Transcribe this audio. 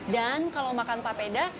dan kalau makan papeda